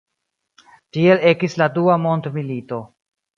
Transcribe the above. Tiel ekis la Dua mondmilito.